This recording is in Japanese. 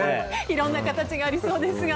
いろんな形がありそうですが。